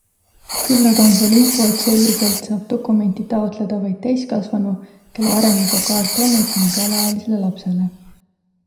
Küll aga on seal info, et selliselt saab dokumenti taotleda vaid täiskasvanu, kel varem juba kaart olnud ning alaealisele lapsele.